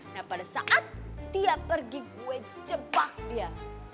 nah pada saat dia pergi gue jebak dia